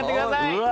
うわ！